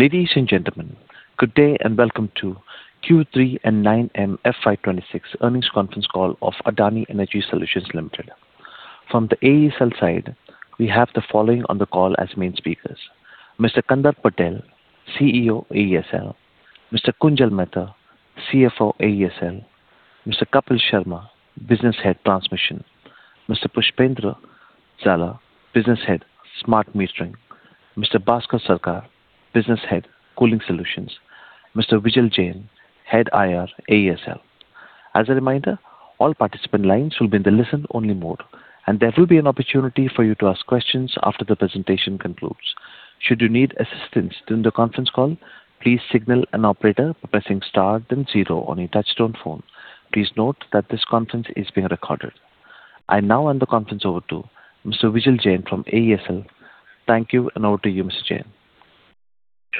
Ladies and gentlemen, good day and welcome to Q3 and 9M FY 2026 earnings conference call of Adani Energy Solutions Limited. From the AESL side, we have the following on the call as main speakers: Mr. Kandarp Patel, CEO AESL; Mr. Kunjal Mehta, CFO AESL; Mr. Kapil Sharma, Business Head Transmission; Mr. Pushpender Zala, Business Head Smart Metering; Mr. Bhaskar Sarkar, Business Head Cooling Solutions; Mr. Vijil Jain, Head IR AESL. As a reminder, all participant lines will be in the listen-only mode, and there will be an opportunity for you to ask questions after the presentation concludes. Should you need assistance during the conference call, please signal an operator pressing star then zero on your touchtone phone. Please note that this conference is being recorded. I now hand the conference over to Mr. Vijil Jain from AESL. Thank you, and over to you, Mr. Jain.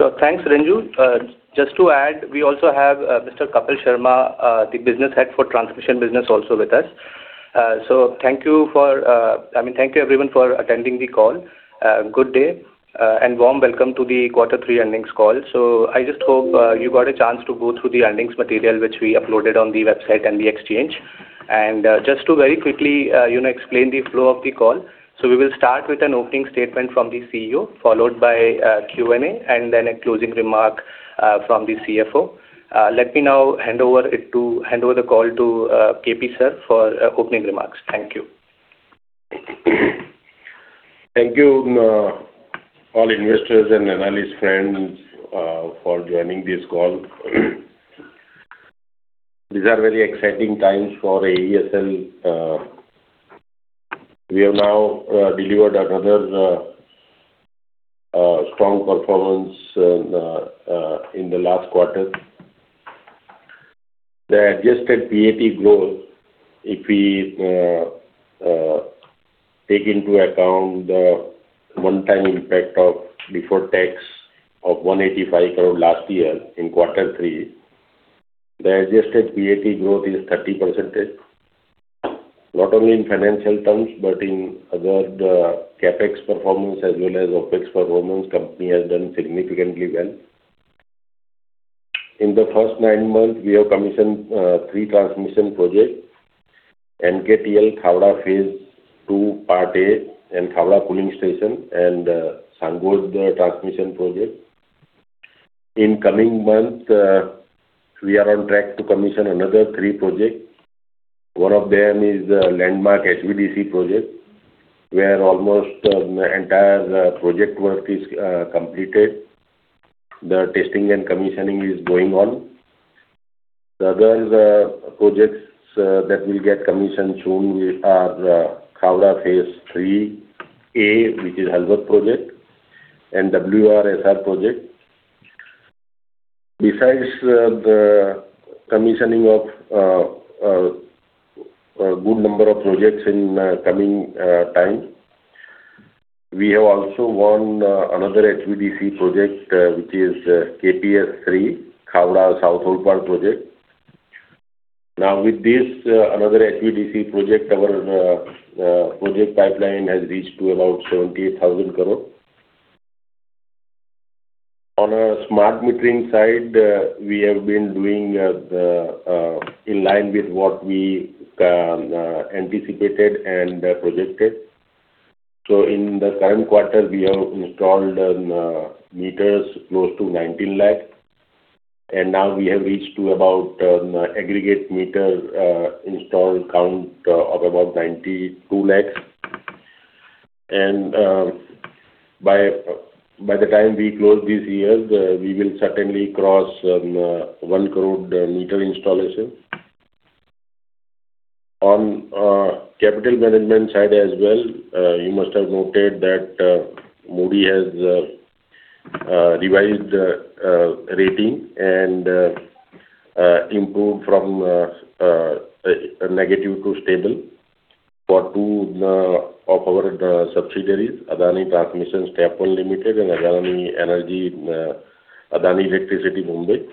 Sure, thanks, Renju. Just to add, we also have Mr. Kapil Sharma, the Business Head for Transmission Business, also with us. So thank you for, I mean, thank you everyone for attending the call. Good day and warm welcome to the quarter three earnings call. So I just hope you got a chance to go through the earnings material which we uploaded on the website and the exchange. And just to very quickly explain the flow of the call, so we will start with an opening statement from the CEO, followed by Q&A, and then a closing remark from the CFO. Let me now hand over the call to KP sir for opening remarks. Thank you. Thank you, all investors and analyst friends, for joining this call. These are very exciting times for AESL. We have now delivered another strong performance in the last quarter. The adjusted PAT growth, if we take into account the one-time impact of before tax of 185 crore last year in quarter three, the adjusted PAT growth is 30%. Not only in financial terms, but in other CapEx performance as well as OpEx performance, the company has done significantly well. In the first nine months, we have commissioned three transmission projects: NKTL, Khavda Phase II Part A, and Khavda Pooling Station, and Sangod Transmission Project. In the coming months, we are on track to commission another three projects. One of them is the landmark HVDC project, where almost the entire project work is completed. The testing and commissioning is going on. The other projects that will get commissioned soon are Khavda Phase III A, which is Halvad Project, and WRSR Project. Besides the commissioning of a good number of projects in the coming time, we have also won another HVDC project, which is KPS III, Khavda South Olpad Project. Now, with this another HVDC project, our project pipeline has reached to about 78,000 crore. On the smart metering side, we have been doing in line with what we anticipated and projected. So in the current quarter, we have installed meters close to 19 lakhs, and now we have reached to about aggregate meter install count of about 92 lakhs. And by the time we close this year, we will certainly cross one crore meter installation. On capital management side as well, you must have noted that Moody's has revised the rating and improved from negative to stable for two of our subsidiaries: Adani Transmission Step-One Limited and Adani Electricity Mumbai.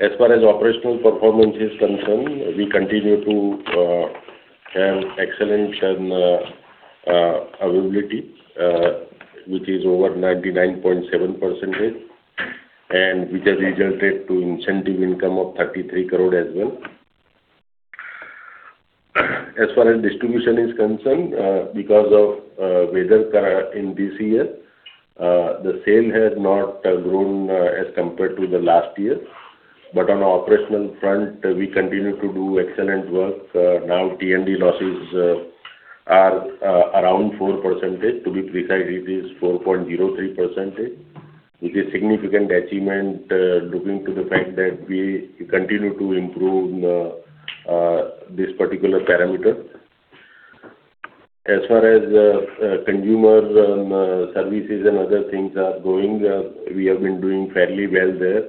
As far as operational performance is concerned, we continue to have excellent availability, which is over 99.7%, and which has resulted in an incentive income of 33 crore as well. As far as distribution is concerned, because of weather in this year, the sale has not grown as compared to the last year. But on the operational front, we continue to do excellent work. Now, T&D losses are around 4%. To be precise, it is 4.03%, which is a significant achievement looking to the fact that we continue to improve this particular parameter. As far as consumer services and other things are going, we have been doing fairly well there.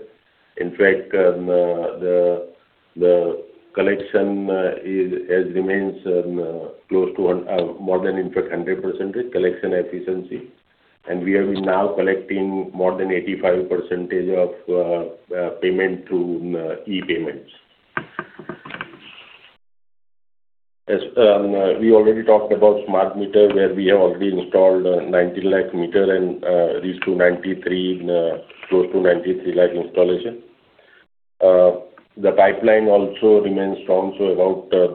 In fact, the collection has remained close to more than, in fact, 100% collection efficiency, and we have been now collecting more than 85% of payment through e-payments. We already talked about smart meter, where we have already installed 90 lakh meter and reached to close to 93 lakh installation. The pipeline also remains strong, so about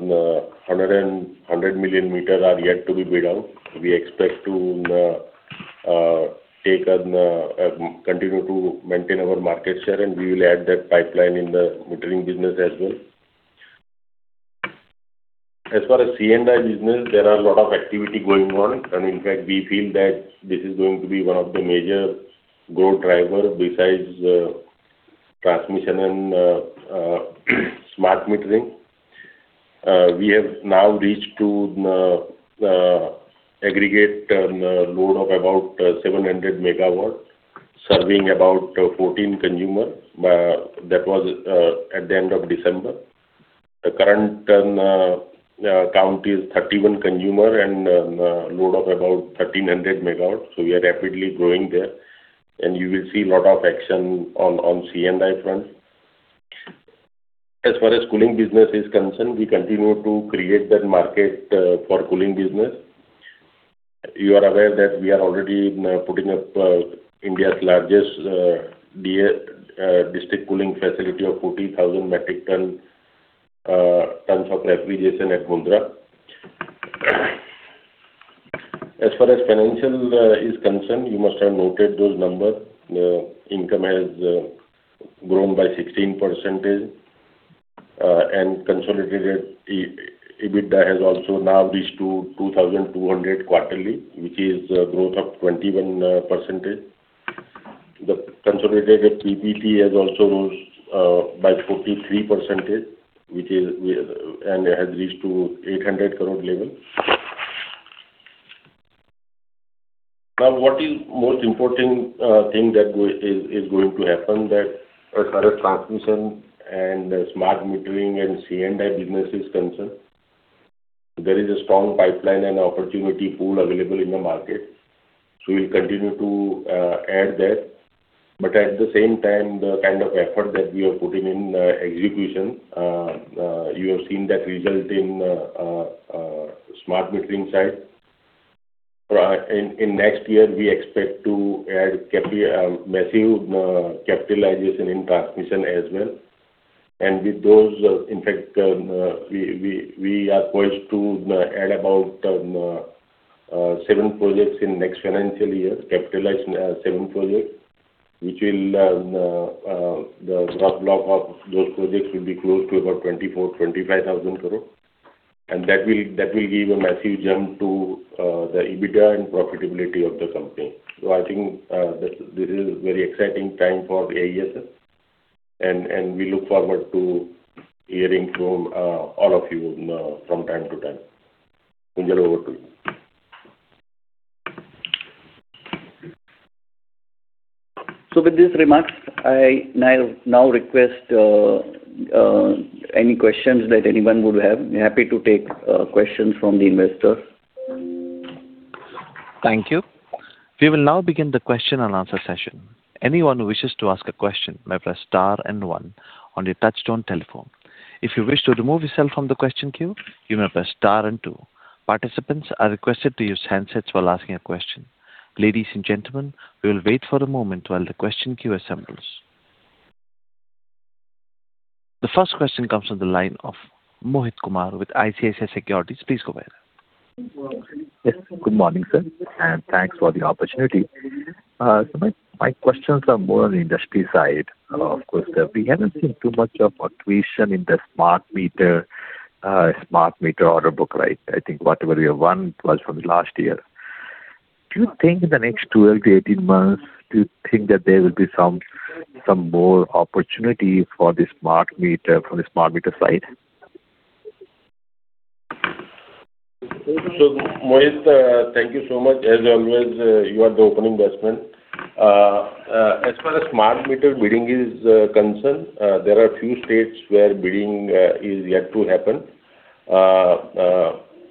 100 million meter are yet to be bid out. We expect to continue to maintain our market share, and we will add that pipeline in the metering business as well. As far as C&I business, there are a lot of activity going on, and in fact, we feel that this is going to be one of the major growth drivers besides transmission and smart metering. We have now reached to aggregate load of about 700 MW, serving about 14 consumers. That was at the end of December. The current count is 31 consumers and a load of about 1,300 MW, so we are rapidly growing there, and you will see a lot of action on C&I front. As far as cooling business is concerned, we continue to create that market for cooling business. You are aware that we are already putting up India's largest district cooling facility of 40,000 metric tons of refrigeration at Mundra. As far as financial is concerned, you must have noted those numbers. The income has grown by 16%, and consolidated EBITDA has also now reached to 2,200 crore quarterly, which is a growth of 21%. The consolidated PAT has also rose by 43%, which has reached to 800 crore level. Now, what is the most important thing that is going to happen? That, as far as transmission and smart metering and C&I business is concerned, there is a strong pipeline and opportunity pool available in the market. So we will continue to add that. But at the same time, the kind of effort that we are putting in execution, you have seen that result in smart metering side. In next year, we expect to add massive capitalization in transmission as well. And with those, in fact, we are poised to add about seven projects in the next financial year, capitalize seven projects, which will the gross block of those projects will be close to about 24,000 crore-25,000 crore. And that will give a massive jump to the EBITDA and profitability of the company. So I think this is a very exciting time for AESL, and we look forward to hearing from all of you from time to time. Kunjal, over to you. So with these remarks, I now request any questions that anyone would have. I'm happy to take questions from the investors. Thank you. We will now begin the question and answer session. Anyone who wishes to ask a question may press star and one on your touchstone telephone. If you wish to remove yourself from the question queue, you may press star and two. Participants are requested to use handsets while asking a question. Ladies and gentlemen, we will wait for a moment while the question queue assembles. The first question comes from the line of Mohit Kumar with ICICI Securities. Please go ahead. Good morning, sir, and thanks for the opportunity. So my questions are more on the industry side. Of course, we haven't seen too much of a traction in the smart metering order book, right? I think whatever we have won was from last year. Do you think in the next 12 to 18 months, do you think that there will be some more opportunity for the smart metering from the smart metering side? Mohit, thank you so much. As always, you are the opening best man. As far as smart metering bidding is concerned, there are a few states where bidding is yet to happen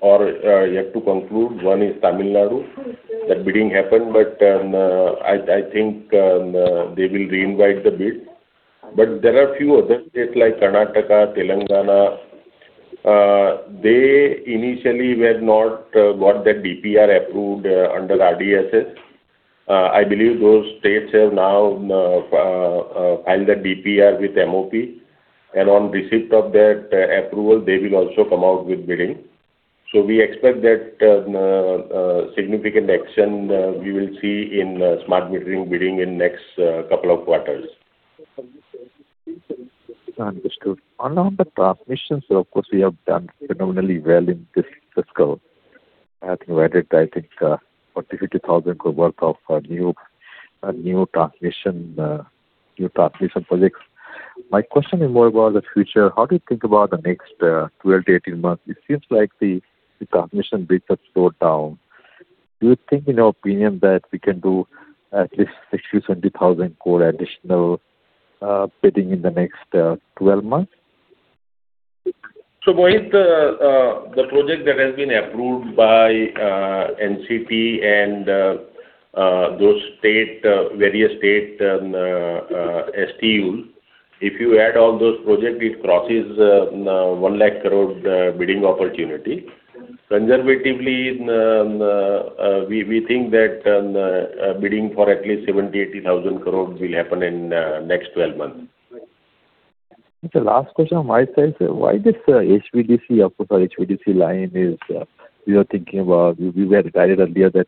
or yet to conclude. One is Tamil Nadu, that bidding happened, but I think they will re-invite the bid. But there are a few other states like Karnataka, Telangana. They initially have not got that DPR approved under RDSS. I believe those states have now filed that DPR with MOP, and on the receipt of that approval, they will also come out with bidding. So we expect that significant action we will see in smart metering bidding in the next couple of quarters. Understood. On the transmissions, of course, we have done phenomenally well in this scope. I think we added, I think, 40,000 crore-50,000 crore worth of new transmission projects. My question is more about the future. How do you think about the next 12-18 months? It seems like the transmission bids have slowed down. Do you think, in your opinion, that we can do at least 60,000 crore-70,000 crore additional bidding in the next 12 months? So Mohit, the project that has been approved by NCT and those various state STUs, if you add all those projects, it crosses 1 lakh crore bidding opportunity. Conservatively, we think that bidding for at least 70,000 crore-80,000 crore will happen in the next 12 months. The last question on my side is, why this HVDC line is we are thinking about we were told earlier that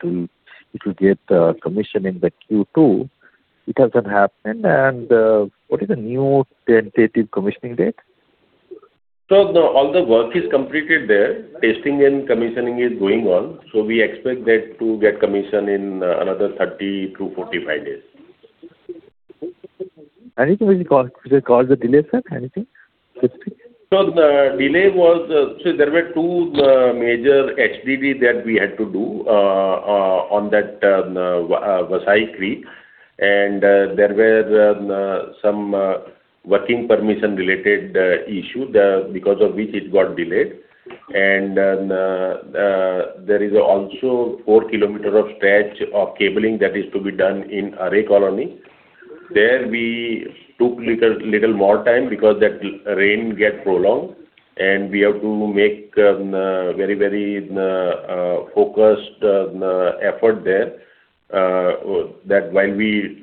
it will get commissioned in the Q2. It hasn't happened, and what is the new tentative commissioning date? So all the work is completed there. Testing and commissioning is going on. So we expect that to get commissioned in another 30-45 days. Anything which caused the delay, sir? Anything? The delay was so there were two major HDDs that we had to do on that Vasai Creek, and there were some work permission-related issues because of which it got delayed. There is also 4 km of stretch of cabling that is to be done in Aarey Colony. There we took a little more time because that rain got prolonged, and we have to make very, very focused effort there that while we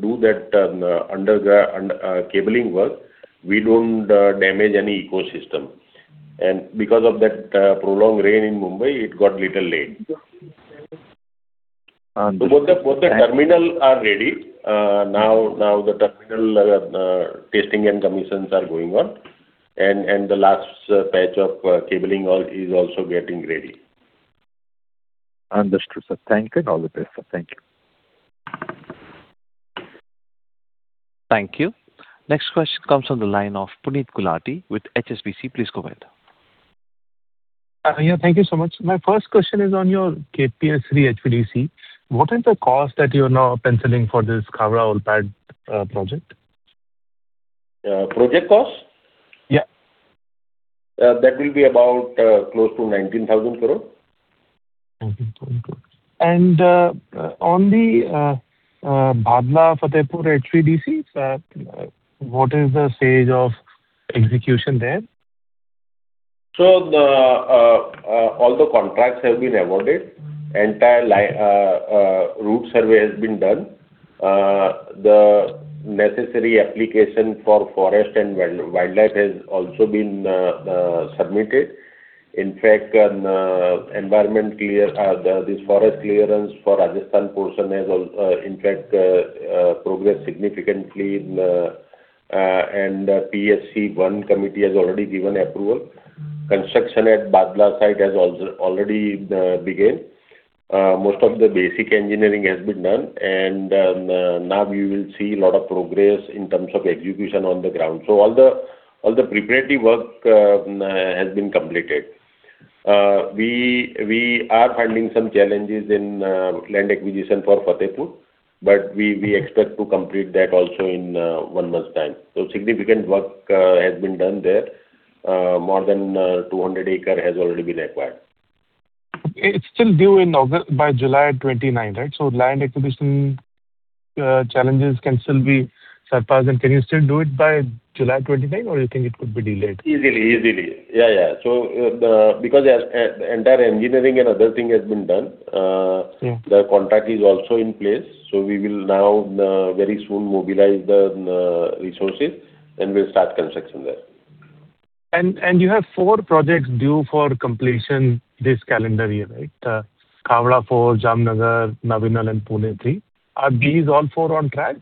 do that underground cabling work, we don't damage any ecosystem. Because of that prolonged rain in Mumbai, it got a little late. Understood. So both the terminals are ready. Now the terminal testing and commissioning are going on, and the last batch of cabling is also getting ready. Understood, sir. Thank you. All the best, sir. Thank you. Thank you. Next question comes from the line of Puneet Gulati with HSBC. Please go ahead. Thank you so much. My first question is on your KPS III HVDC. What are the costs that you are now penciling for this Khavda Olpad project? Project cost? Yeah. That will be about close to 19,000 crore. 19,000 crore. And on the Bhadla Fatehpur HVDC, sir, what is the stage of execution there? All the contracts have been awarded. Entire route survey has been done. The necessary application for forest and wildlife has also been submitted. In fact, this forest clearance for Rajasthan portion has in fact progressed significantly, and PSC I committee has already given approval. Construction at Bhadla site has already begun. Most of the basic engineering has been done, and now we will see a lot of progress in terms of execution on the ground. All the preparatory work has been completed. We are finding some challenges in land acquisition for Fatehpur, but we expect to complete that also in one month's time. Significant work has been done there. More than 200 acres has already been acquired. It's still due by July 29th, right? So land acquisition challenges can still be surpassed. And can you still do it by July 29th, or do you think it could be delayed? Because the entire engineering and other things have been done, the contract is also in place. We will now very soon mobilize the resources and will start construction there. You have four projects due for completion this calendar year, right? Khavda IV, Jamnagar, Navinal, and Pune III. Are these all four on track?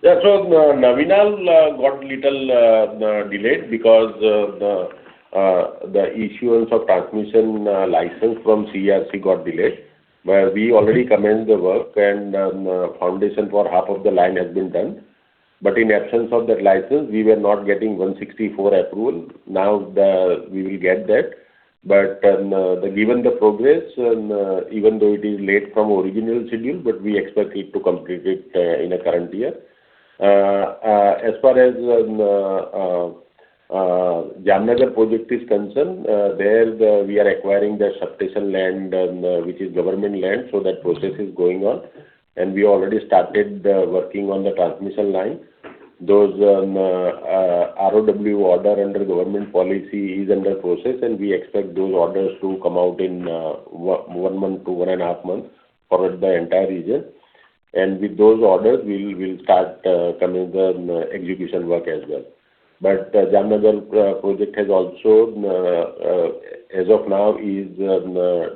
Yeah. So Navinal got a little delayed because the issuance of transmission license from CERC got delayed, where we already commenced the work, and the foundation for half of the line has been done. But in absence of that license, we were not getting 164 approval. Now we will get that. But given the progress, even though it is late from original schedule, we expect it to complete it in the current year. As far as Jamnagar project is concerned, there we are acquiring the substantial land, which is government land, so that process is going on. And we already started working on the transmission line. Those ROW order under government policy is under process, and we expect those orders to come out in one month to one and a half months for the entire region. And with those orders, we will start the execution work as well. But Jamnagar project has also, as of now, is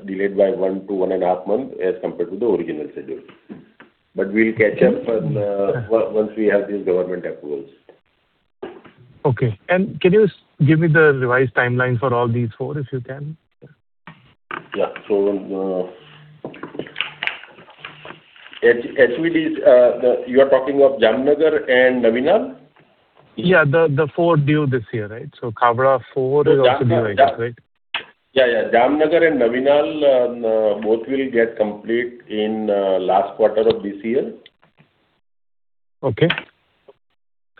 delayed by one to one and a half months as compared to the original schedule. But we'll catch up once we have these government approvals. Okay. Can you give me the revised timeline for all these four, if you can? Yeah. So HVDC, you are talking of Jamnagar and Navinal? Yeah. The four due this year, right? So Khavda IV is also due I guess, right? Yeah, yeah. Jamnagar and Navinal both will get complete in the last quarter of this year. Okay.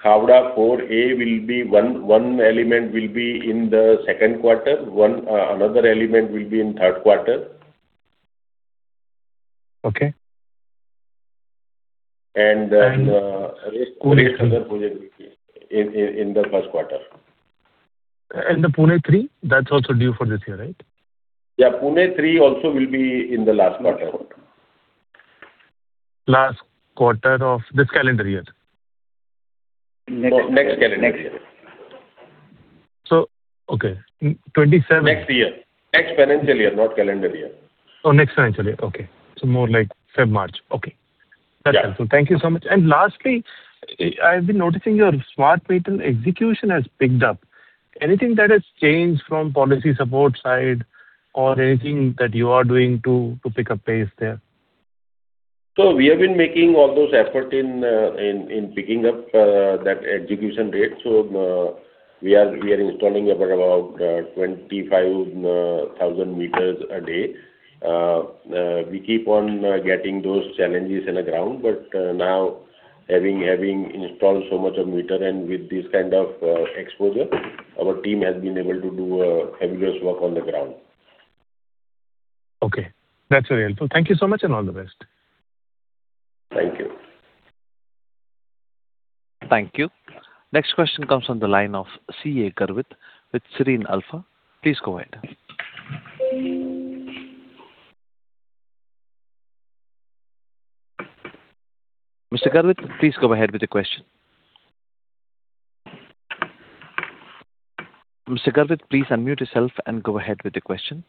Khavda IV A will be. One element will be in the second quarter. Another element will be in the third quarter. Okay. And the Pune III, that's also due for this year, right? Yeah. Pune III also will be in the last quarter. Last quarter of this calendar year? Next calendar year. So, okay, 2027. Next year. Next financial year, not calendar year. Oh, next financial year. Okay. So more like February, March. Okay. That's helpful. Thank you so much. And lastly, I've been noticing your smart meter execution has picked up. Anything that has changed from policy support side or anything that you are doing to pick up pace there? So we have been making all those efforts in picking up that execution rate. So we are installing about 25,000 m a day. We keep on getting those challenges on the ground, but now having installed so much of meter and with this kind of exposure, our team has been able to do fabulous work on the ground. Okay. That's very helpful. Thank you so much and all the best. Thank you. Thank you. Next question comes from the line of CEA Garrit with Sirin Alpha. Please go ahead. Mr. Garrit, please go ahead with the question. Mr. Garrit, please unmute yourself and go ahead with the question.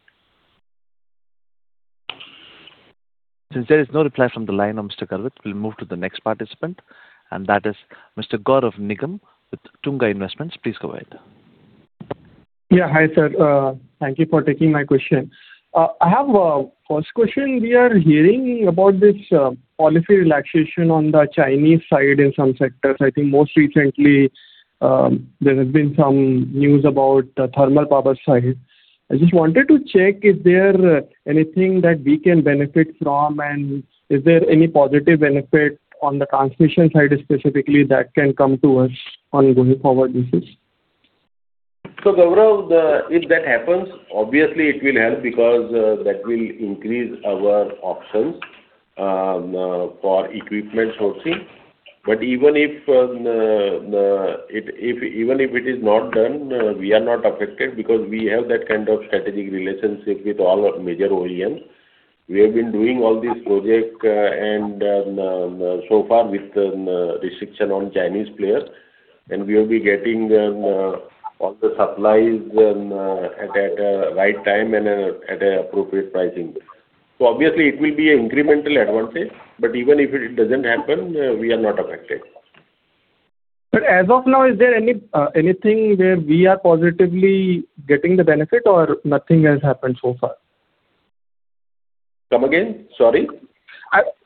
Since there is no reply from the line of Mr. Garrit, we'll move to the next participant, and that is Mr. Gaurav Nigam with Tunga Investments. Please go ahead. Yeah. Hi, sir. Thank you for taking my question. I have a first question. We are hearing about this policy relaxation on the Chinese side in some sectors. I think most recently, there has been some news about the thermal power side. I just wanted to check if there is anything that we can benefit from, and is there any positive benefit on the transmission side specifically that can come to us on going forward basis? So Gaurav, if that happens, obviously it will help because that will increase our options for equipment sourcing. But even if it is not done, we are not affected because we have that kind of strategic relationship with all major OEMs. We have been doing all these projects so far with the restriction on Chinese players, and we will be getting all the supplies at the right time and at appropriate pricing. So obviously, it will be an incremental advantage, but even if it doesn't happen, we are not affected. But as of now, is there anything where we are positively getting the benefit, or nothing has happened so far? Come again? Sorry.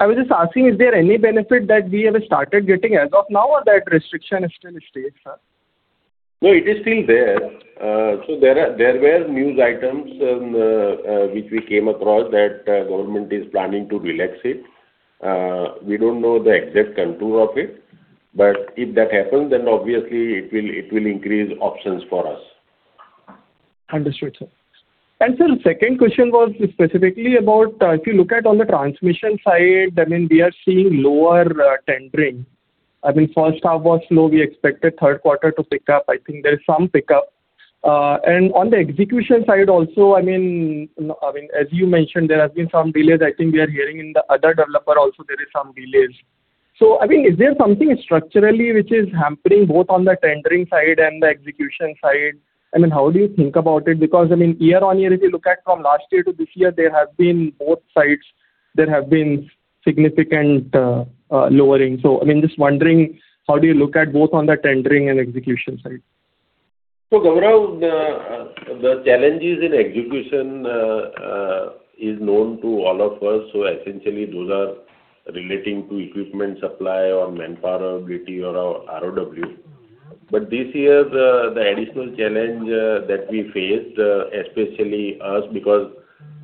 I was just asking, is there any benefit that we have started getting as of now, or that restriction still stays, sir? No, it is still there. So there were news items which we came across that government is planning to relax it. We don't know the exact contour of it, but if that happens, then obviously it will increase options for us. Understood, sir. And sir, the second question was specifically about if you look at all the transmission side, I mean, we are seeing lower tendering. I mean, first half was slow. We expected third quarter to pick up. I think there is some pickup. And on the execution side also, I mean, as you mentioned, there have been some delays. I think we are hearing in the other developer also, there are some delays. So I mean, is there something structurally which is happening both on the tendering side and the execution side? I mean, how do you think about it? Because I mean, year-on-year, if you look at from last year to this year, there have been both sides, there have been significant lowering. So I mean, just wondering, how do you look at both on the tendering and execution side? Gaurav, the challenges in execution are known to all of us. Essentially, those are relating to equipment supply or manpower ability or ROW. But this year, the additional challenge that we faced, especially us, because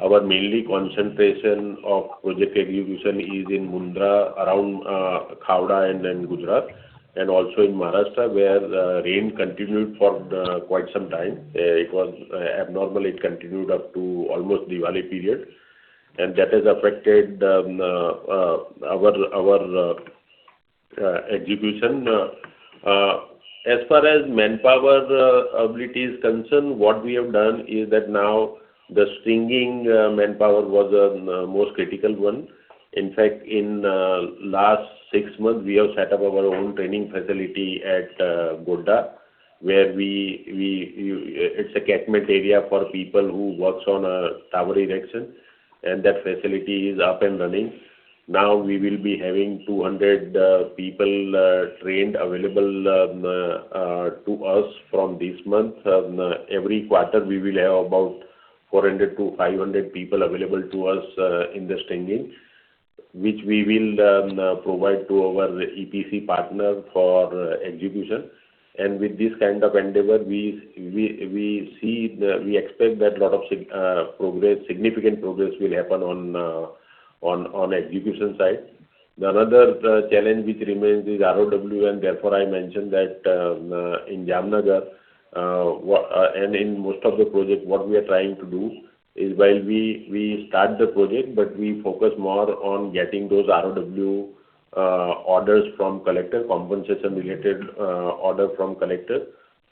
our mainly concentration of project execution is in Mundra, around Khavda and Gujarat, and also in Maharashtra, where rain continued for quite some time. It was abnormal. It continued up to almost Diwali period, and that has affected our execution. As far as manpower ability is concerned, what we have done is that now the stringing manpower was the most critical one. In fact, in the last six months, we have set up our own training facility at Godhra, where it's a catchment area for people who work on Tower Erection, and that facility is up and running. Now we will be having 200 people trained available to us from this month. Every quarter, we will have about 400-500 people available to us in the stringing, which we will provide to our EPC partner for execution, and with this kind of endeavor, we expect that a lot of significant progress will happen on the execution side. The other challenge which remains is ROW, and therefore I mentioned that in Jamnagar and in most of the projects, what we are trying to do is while we start the project, but we focus more on getting those ROW orders from collector, compensation-related order from collector.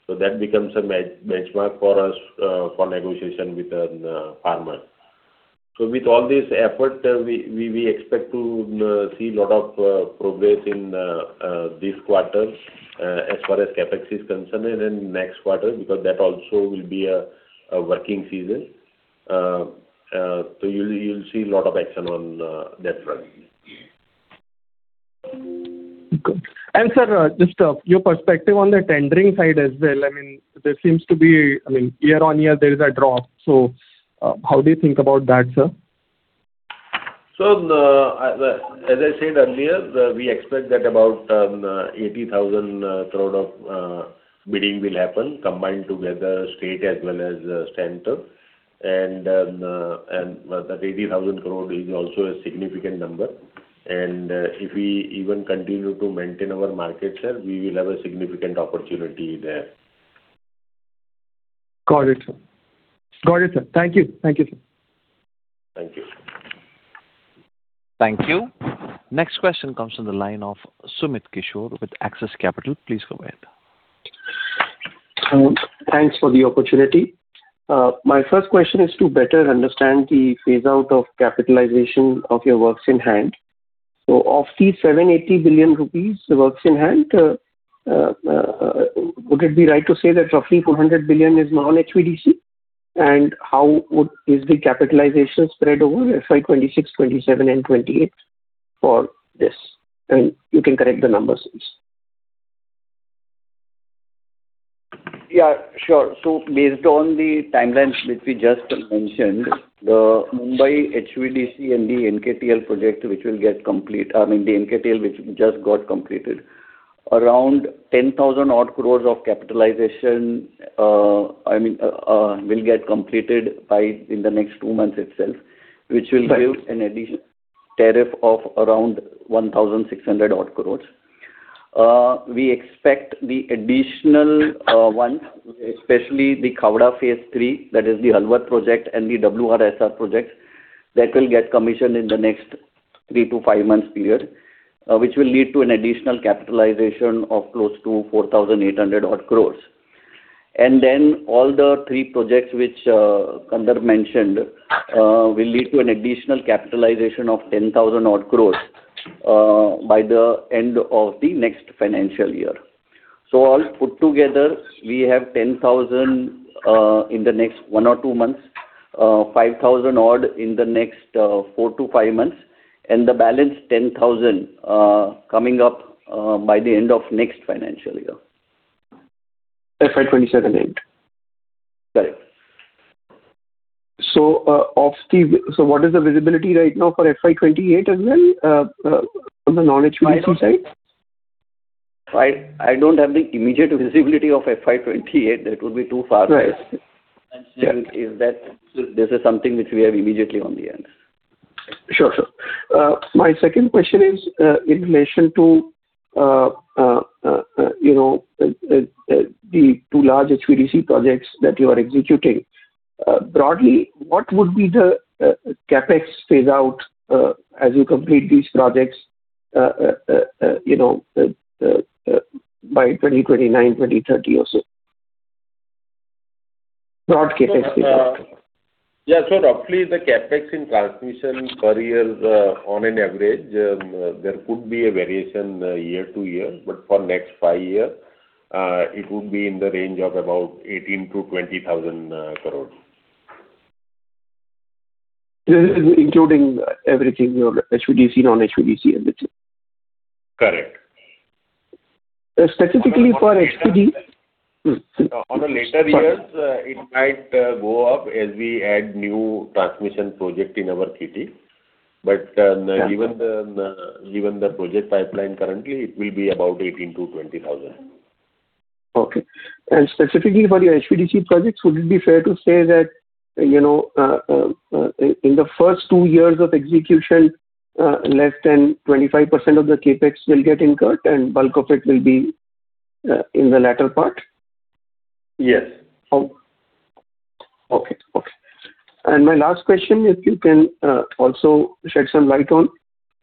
So that becomes a benchmark for us for negotiation with the farmers. So with all this effort, we expect to see a lot of progress in this quarter as far as CapEx is concerned and next quarter because that also will be a working season. So you'll see a lot of action on that front. Good. And sir, just your perspective on the tendering side as well. I mean, there seems to be, I mean, year-on-year, there is a drop. So how do you think about that, sir? So as I said earlier, we expect that about 80,000 crore of bidding will happen combined together, state as well as center. And that 80,000 crore is also a significant number. And if we even continue to maintain our market share, we will have a significant opportunity there. Got it, sir. Got it, sir. Thank you. Thank you, sir. Thank you. Thank you. Next question comes from the line of Sumit Kishore with Axis Capital. Please go ahead. Thanks for the opportunity. My first question is to better understand the phase-out of capitalization of your works in hand. So of the 780 billion rupees, the works in hand, would it be right to say that roughly 400 billion is non-HVDC? And how is the capitalization spread over FY 2026, 2027, and 2028 for this? And you can correct the numbers. Yeah, sure. So based on the timeline which we just mentioned, the Mumbai HVDC and the NKTL project, which will get complete, I mean, the NKTL which just got completed, around 10,000 crore of capitalization, I mean, will get completed in the next two months itself, which will give an additional tariff of around 1,600 crore. We expect the additional ones, especially the Khavda Phase III, that is the Halvad project and the WRSR projects, that will get commissioned in the next three to five months period, which will lead to an additional capitalization of close to 4,800 crore. And then all the three projects which Kandarp mentioned will lead to an additional capitalization of 10,000 crore by the end of the next financial year. All put together, we have 10,000 crore in the next one or two months, 5,000 crore odd in the next four to five months, and the balance 10,000 crore coming up by the end of next financial year. FY 2027 end. Correct. So, what is the visibility right now for FY 2028 as well from the non-HVDC side? I don't have the immediate visibility of FY 2028. That would be too far away. Is this something which we have immediately on hand? Sure, sir. My second question is in relation to the two large HVDC projects that you are executing. Broadly, what would be the CapEx phase-out as you complete these projects by 2029, 2030 or so? Broad CapEx phase-out. Yeah, so roughly, the CapEx in transmission per year on an average, there could be a variation year-to-year, but for next five years, it would be in the range of about 18,000 crore-INR 20,000crore. Including everything, your HVDC, non-HVDC everything? Correct. Specifically for HVDC? In the later years, it might go up as we add new transmission projects in our KT. But given the project pipeline currently, it will be about 18,000 crore-20,000 crore. Okay. And specifically for your HVDC projects, would it be fair to say that in the first two years of execution, less than 25% of the CapEx will get incurred and bulk of it will be in the latter part? Yes. Okay. And my last question, if you can also shed some light on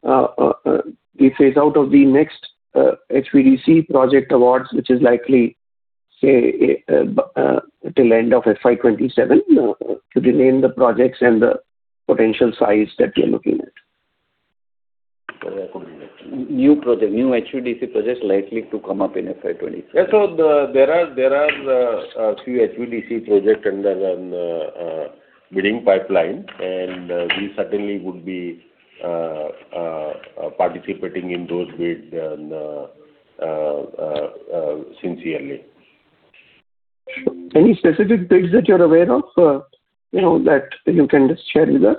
the phase-out of the next HVDC project awards, which is likely, say, till end of FY 2027, to retain the projects and the potential size that you're looking at? New projects, new HVDC projects likely to come up in FY 2027? So there are a few HVDC projects under the bidding pipeline, and we certainly would be participating in those bids sincerely. Any specific bids that you're aware of that you can share with us?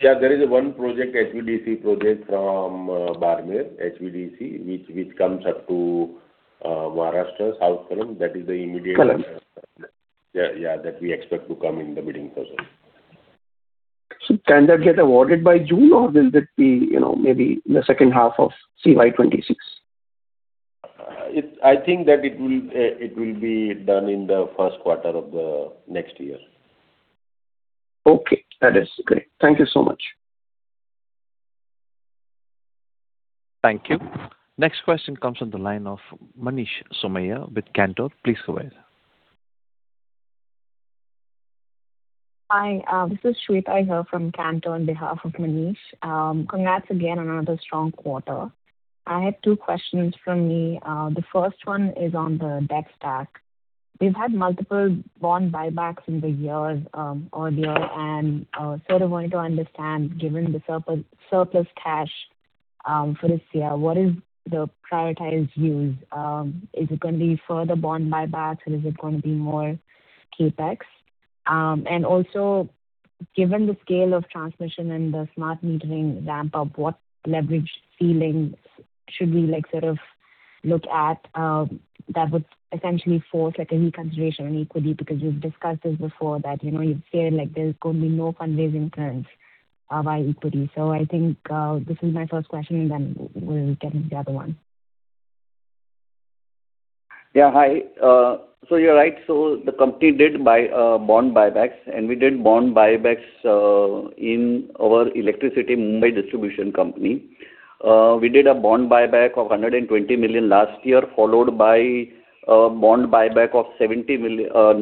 Yeah, there is one project, HVDC project from Barmer, HVDC, which comes up to Maharashtra, South Kannada. That is the immediate. Kannada. Yeah, that we expect to come in the bidding process. So can that get awarded by June, or will it be maybe the second half of CY 2026? I think that it will be done in the first quarter of the next year. Okay. That is great. Thank you so much. Thank you. Next question comes from the line of Manish Somaiya with Cantor. Please go ahead. Hi, this is Shweta here from Cantor on behalf of Manish. Congrats again on another strong quarter. I have two questions from me. The first one is on the debt stack. We've had multiple bond buybacks in the year earlier, and sort of wanted to understand, given the surplus cash for this year, what is the prioritized use? Is it going to be further bond buybacks, or is it going to be more CapEx? And also, given the scale of transmission and the smart metering ramp-up, what leverage ceiling should we sort of look at that would essentially force a reconsideration on equity? Because you've discussed this before, that you've said there's going to be no fund-raising trends by equity. So I think this is my first question, and then we'll get into the other one. Yeah, hi. So you're right, so the company did buy bond buybacks, and we did bond buybacks in our electricity Mumbai distribution company. We did a bond buyback of 120 million last year, followed by a bond buyback of INR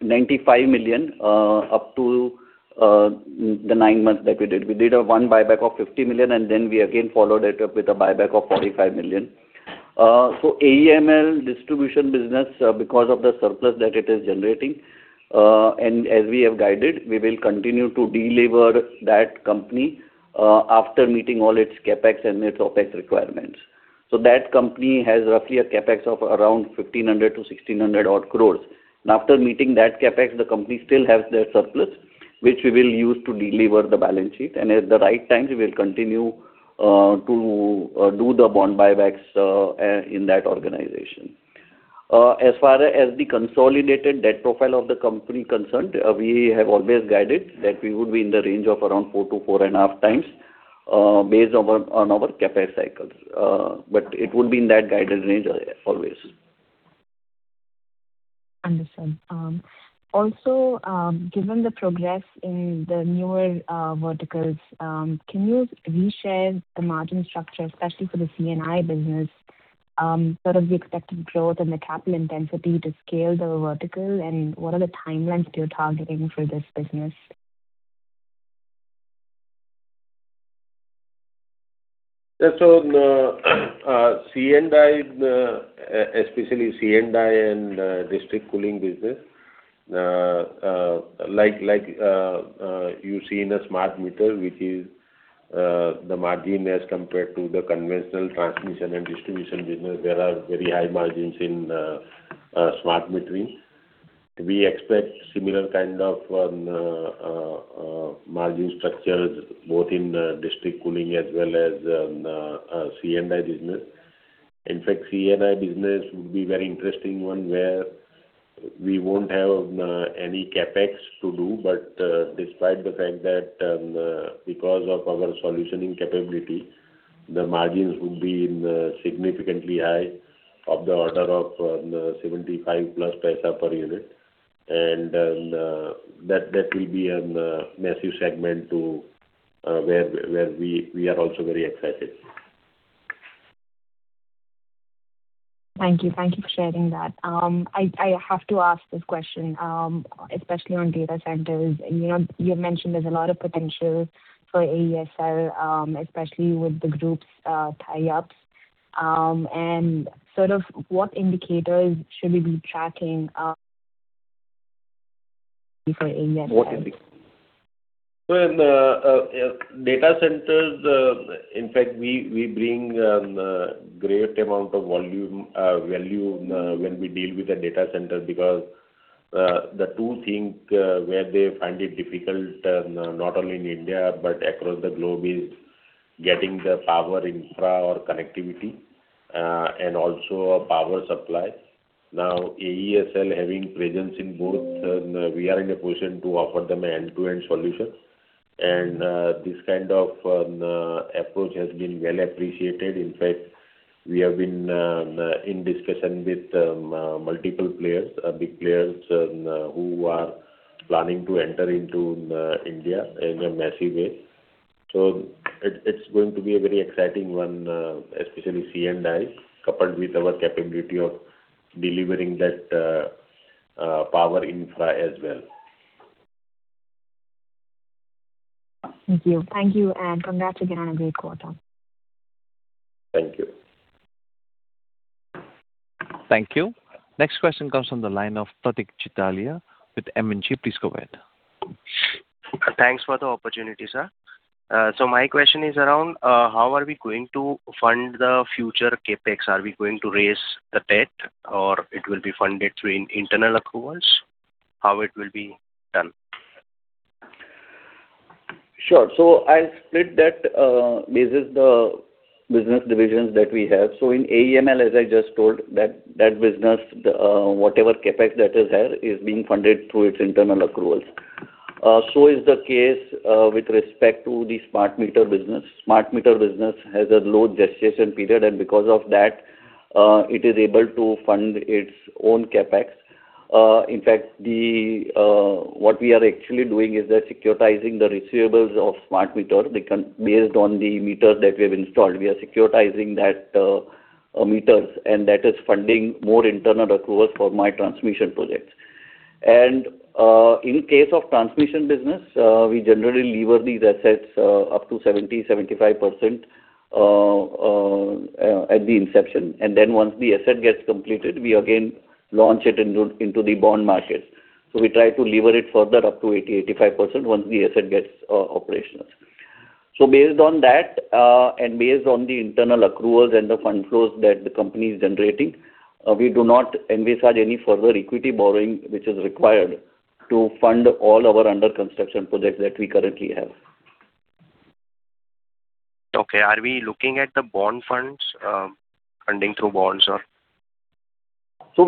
95 million up to the nine months that we did. We did a bond buyback of 50 million, and then we again followed it up with a buyback of 45 million. So AEML distribution business, because of the surplus that it is generating, and as we have guided, we will continue to delever the company after meeting all its CapEx and its OpEx requirements. So that company has roughly a CapEx of around 1,500-1,600-odd crores. And after meeting that CapEx, the company still has their surplus, which we will use to delever the balance sheet. At the right time, we will continue to do the bond buybacks in that organization. As far as the consolidated debt profile of the company concerned, we have always guided that we would be in the range of around 4x-4.5x based on our CapEx cycles. It would be in that guided range always. Understood. Also, given the progress in the newer verticals, can you reshare the margin structure, especially for the C&I business, sort of the expected growth and the capital intensity to scale the vertical, and what are the timelines that you're targeting for this business? So C&I, especially C&I and district cooling business, like you see in a smart meter, which is the margin as compared to the conventional transmission and distribution business, there are very high margins in smart metering. We expect similar kind of margin structures both in district cooling as well as C&I business. In fact, C&I business would be a very interesting one where we won't have any CapEx to do, but despite the fact that because of our solutioning capability, the margins would be significantly high, of the order of 75+ paisa per unit. And that will be a massive segment where we are also very excited. Thank you. Thank you for sharing that. I have to ask this question, especially on data centers. You've mentioned there's a lot of potential for AESL, especially with the group's tie-ups. And sort of what indicators should we be tracking for AESL? What indicators? Well, data centers, in fact, we bring a great amount of value when we deal with a data center because the two things where they find it difficult, not only in India but across the globe, is getting the power infra or connectivity and also power supply. Now, AESL having presence in both, we are in a position to offer them an end-to-end solution. And this kind of approach has been well appreciated. In fact, we have been in discussion with multiple players, big players who are planning to enter into India in a massive way. So it's going to be a very exciting one, especially C&I, coupled with our capability of delivering that power infra as well. Thank you. Thank you, and congrats again on a great quarter. Thank you. Thank you. Next question comes from the line of Pratik Chitalia with M&G. Please go ahead. Thanks for the opportunity, sir, so my question is around how are we going to fund the future CapEx? Are we going to raise the debt, or it will be funded through internal accruals? How it will be done? Sure, so I'll split that. This is the business divisions that we have, so in AEML, as I just told, that business, whatever CapEx that is there, is being funded through its internal accruals, so is the case with respect to the smart meter business. Smart meter business has a low gestation period, and because of that, it is able to fund its own CapEx. In fact, what we are actually doing is securitizing the receivables of smart meters based on the meters that we have installed. We are securitizing those meters, and that is funding more internal accruals for my transmission projects, and in case of transmission business, we generally lever these assets up to 70%-75% at the inception, and then once the asset gets completed, we again launch it into the bond markets. So we try to leverage it further up to 80%-85% once the asset gets operational. So based on that and based on the internal approvals and the fund flows that the company is generating, we do not envisage any further equity borrowing, which is required to fund all our under-construction projects that we currently have. Okay. Are we looking at the bond funds funding through bonds, or? So,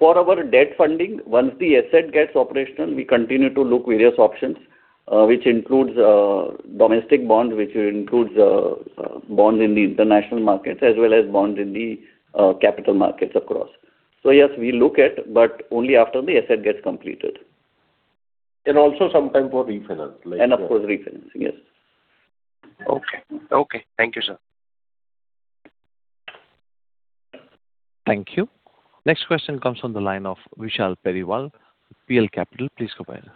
for our debt funding, once the asset gets operational, we continue to look at various options, which includes domestic bonds, which includes bonds in the international markets, as well as bonds in the capital markets across. So yes, we look at, but only after the asset gets completed. Also sometime for refinance. Of course, refinancing, yes. Okay. Okay. Thank you, sir. Thank you. Next question comes from the line of Vishal Periwal, PL Capital. Please go ahead.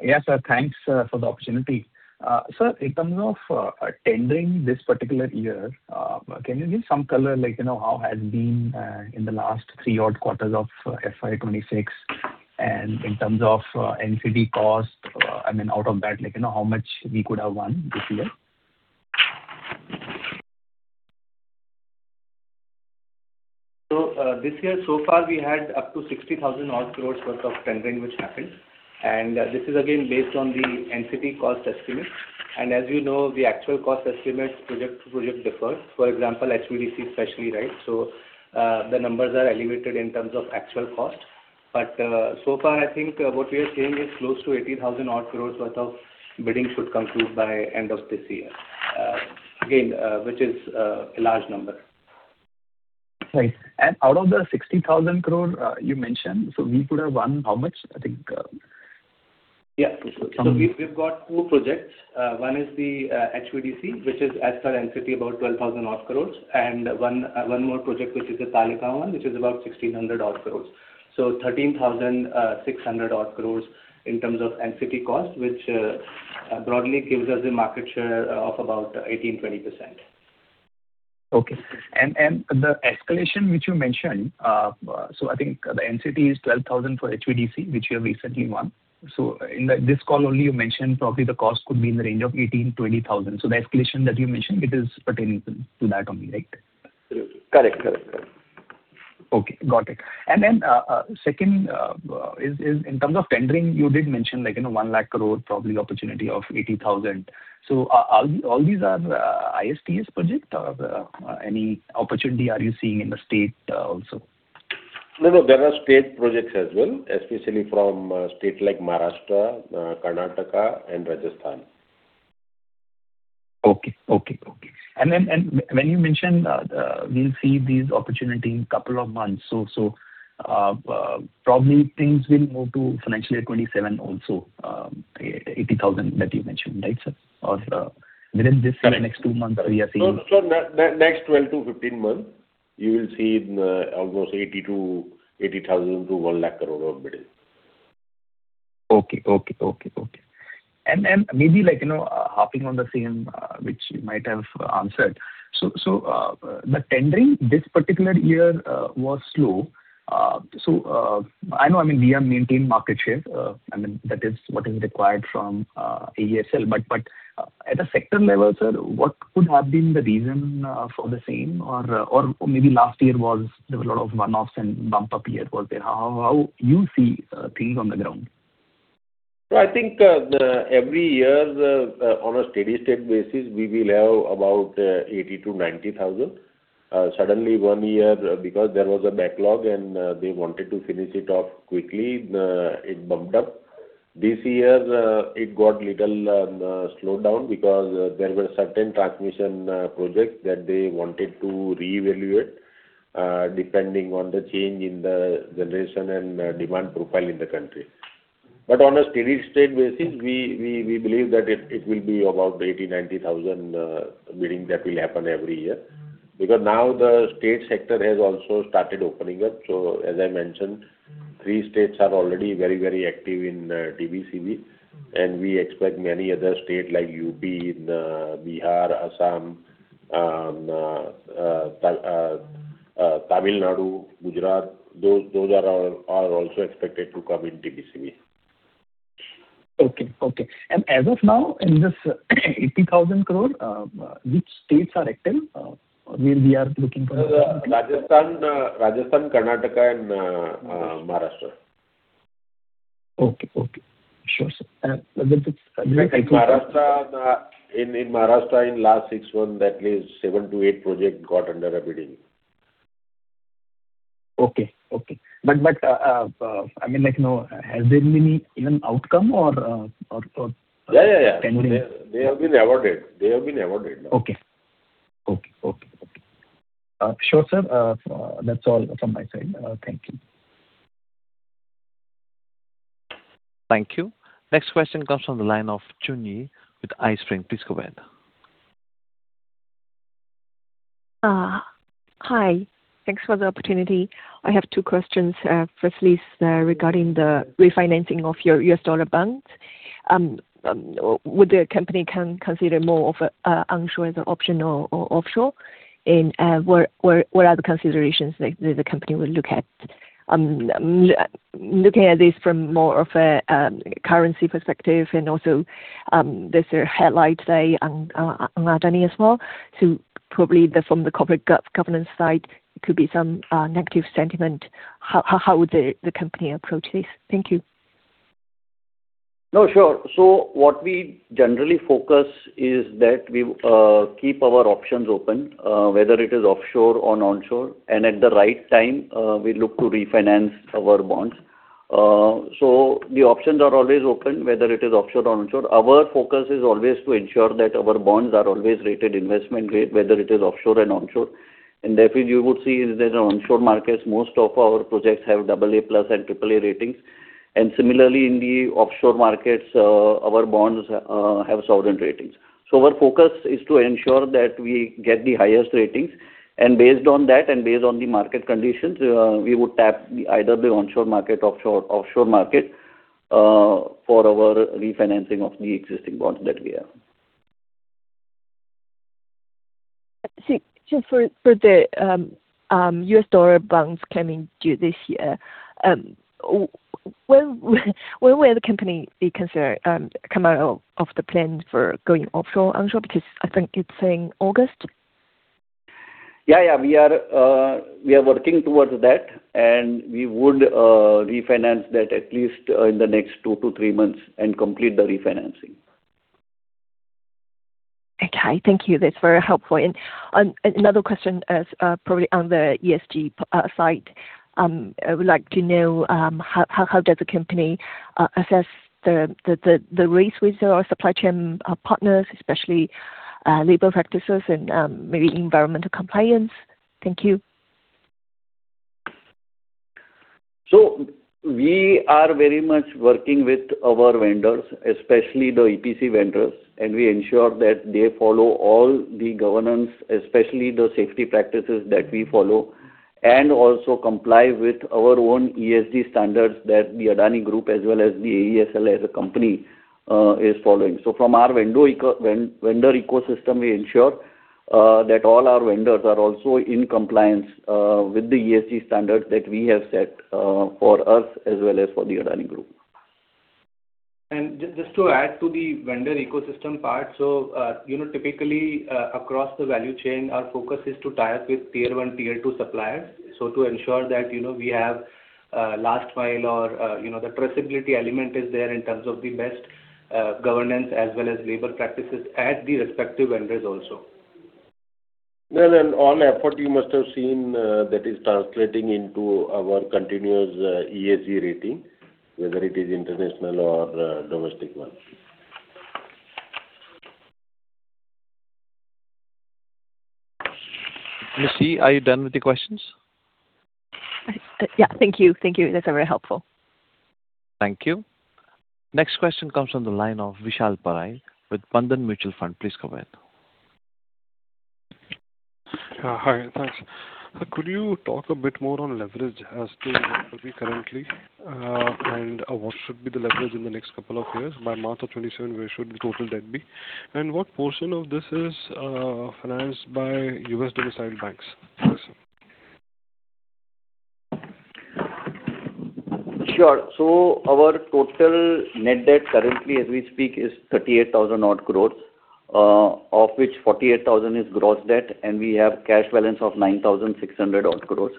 Yes, sir. Thanks for the opportunity. Sir, in terms of tendering this particular year, can you give some color how it has been in the last three odd quarters of FY 2026? And in terms of NCT cost, I mean, out of that, how much we could have won this year? So this year, so far, we had up to 60,000 crore worth of tendering, which happened. And this is again based on the NCT cost estimate. And as you know, the actual cost estimates project to project differ. For example, HVDC especially, right? So the numbers are elevated in terms of actual cost. But so far, I think what we are seeing is close to 80,000 crore worth of bidding should conclude by end of this year, again, which is a large number. Thanks. And out of the 60,000 crore you mentioned, so we could have won how much? I think. Yeah, so we've got two projects. One is the HVDC, which is, as per NCT, about 12,000 crore. And one more project, which is the Talegaon, which is about 1,600 crore. So 13,600 crore in terms of NCT cost, which broadly gives us a market share of about 18%-20%. Okay. And the escalation which you mentioned, so I think the NCT is 12,000 for HVDC, which you have recently won. So in this call only, you mentioned probably the cost could be in the range of 18,000 crore-20,000 crore. So the escalation that you mentioned, it is pertaining to that only, right? Correct. Correct. Correct. Okay. Got it. And then second is, in terms of tendering, you did mention 1 lakh crore, probably opportunity of 80,000. So all these are ISTS projects? Any opportunity are you seeing in the state also? No, no. There are state projects as well, especially from states like Maharashtra, Karnataka, and Rajasthan. Okay. And then when you mentioned we'll see these opportunities in a couple of months, so probably things will move to financial year 2027 also, 80,000 crore that you mentioned, right, sir? Or within this next two months, we are seeing. Next 12 to 15 months, you will see almost 80,000 core to 1 lakh crore of bidding. Okay. And then maybe hopping on the same which you might have answered. So the tendering this particular year was slow. So I know, I mean, we have maintained market share. I mean, that is what is required from AESL. But at a sector level, sir, what could have been the reason for the same? Or maybe last year there were a lot of one-offs and bump-up year? How you see things on the ground? I think every year, on a steady-state basis, we will have about 80,000-90,000. Suddenly, one year, because there was a backlog and they wanted to finish it off quickly, it bumped up. This year, it got a little slowed down because there were certain transmission projects that they wanted to reevaluate depending on the change in the generation and demand profile in the country. But on a steady-state basis, we believe that it will be about 80,000-90,000 bidding that will happen every year. Because now the state sector has also started opening up. So as I mentioned, three states are already very, very active in TBCV. And we expect many other states like UP, Bihar, Assam, Tamil Nadu, Gujarat. Those are also expected to come in TBCV. Okay. And as of now, in this 80,000 crore, which states are active? We are looking for. Rajasthan, Karnataka, and Maharashtra. Okay. Okay. Sure. So. In Maharashtra, in last six months, at least seven-eight projects got under bidding. Okay. But I mean, has there been any even outcome or tendering? Yeah, yeah, yeah. They have been awarded. They have been awarded. Okay. Sure, sir. That's all from my side. Thank you. Thank you. Next question comes from the line of Chunyi with Ice Spring. Please go ahead. Hi. Thanks for the opportunity. I have two questions. Firstly, regarding the refinancing of your solar bonds, would the company consider more of an onshore as an option or offshore? And what are the considerations that the company would look at? Looking at this from more of a currency perspective, and also there's a headline today on Adani as well. So probably from the corporate governance side, it could be some negative sentiment. How would the company approach this? Thank you. No, sure. So what we generally focus is that we keep our options open, whether it is offshore or onshore. And at the right time, we look to refinance our bonds. So the options are always open, whether it is offshore or onshore. Our focus is always to ensure that our bonds are always rated investment grade, whether it is offshore and onshore. And therefore, you would see in the onshore markets, most of our projects have AA+ and AAA ratings. And similarly, in the offshore markets, our bonds have sovereign ratings. So our focus is to ensure that we get the highest ratings. And based on that and based on the market conditions, we would tap either the onshore market or offshore market for our refinancing of the existing bonds that we have. So, for the US dollar bonds coming due this year, when will the company be considered come out of the plan for going offshore/onshore? Because I think it's in August. Yeah, yeah. We are working towards that. And we would refinance that at least in the next two to three months and complete the refinancing. Okay. Thank you. That's very helpful. And another question is probably on the ESG side. I would like to know how does the company assess the risk with our supply chain partners, especially labor practices and maybe environmental compliance? Thank you. We are very much working with our vendors, especially the EPC vendors. We ensure that they follow all the governance, especially the safety practices that we follow, and also comply with our own ESG standards that the Adani Group, as well as the AESL as a company, is following. From our vendor ecosystem, we ensure that all our vendors are also in compliance with the ESG standards that we have set for us as well as for the Adani Group. Just to add to the vendor ecosystem part, typically, across the value chain, our focus is to tie up with tier one, tier two suppliers. To ensure that we have last mile or the traceability element is there in terms of the best governance as well as labor practices at the respective vendors also. All effort you must have seen that is translating into our continuous ESG rating, whether it is international or domestic one. Lucy, are you done with the questions? Yeah. Thank you. Thank you. That's very helpful. Thank you. Next question comes from the line of Vishal Pai with Bandhan Mutual Fund. Please go ahead. Hi. Thanks. Could you talk a bit more on leverage as to what we currently and what should be the leverage in the next couple of years? By month of 2027, where should the total debt be? And what portion of this is financed by US domiciled banks? Sure. So our total net debt currently, as we speak, is 38,000 odd crores, of which 48,000 is gross debt. And we have cash balance of 9,600 odd crores.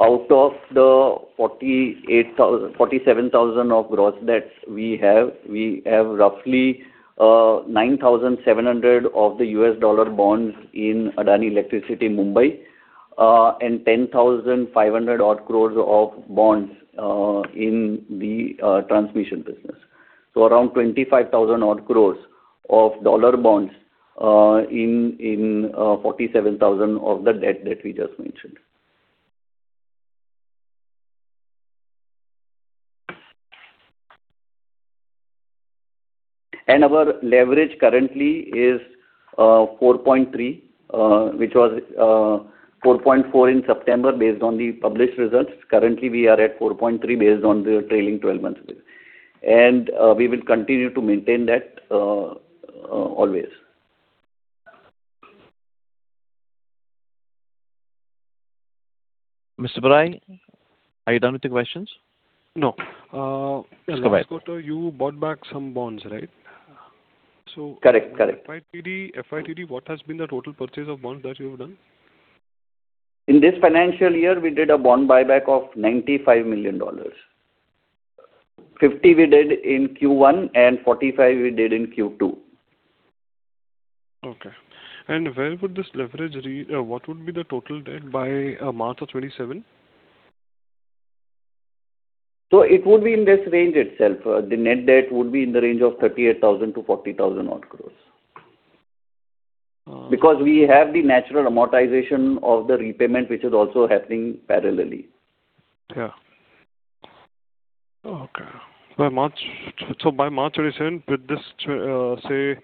Out of the 47,000 of gross debt we have, we have roughly 9,700 of the USD bonds in Adani Electricity Mumbai and 10,500 odd crores of bonds in the transmission business. So around 25,000 odd crores of dollar bonds in 47,000 of the debt that we just mentioned. And our leverage currently is 4.3, which was 4.4 in September based on the published results. Currently, we are at 4.3 based on the trailing 12 months. And we will continue to maintain that always. Mr. Pai, are you done with the questions? No. Just go ahead. Let's go to you. You bought back some bonds, right? So. Correct. Correct. FY 2020, what has been the total purchase of bonds that you have done? In this financial year, we did a bond buyback of $95 million. $50 million we did in Q1 and $45 million we did in Q2. Okay. Where would this leverage what would be the total debt by month of 2027? So it would be in this range itself. The net debt would be in the range of 38,000 crore-40,000 odd crores. Because we have the natural amortization of the repayment, which is also happening parallelly. Yeah. Okay. So by month 2027, with this, say,